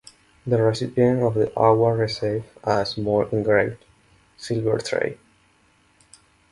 The recipient of the award receives a small engraved silver tray.